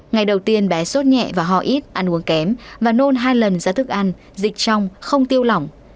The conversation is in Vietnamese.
ngày đầu tiên bé suốt nhẹ và hò ít ăn uống kém và nôn hai lần ra thức ăn dịch trong không tiêu lỏng